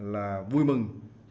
là vui mừng